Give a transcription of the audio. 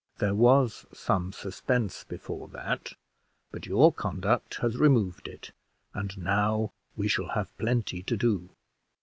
There was some suspense before that, but your conduct has removed it; and now we shall have plenty to do."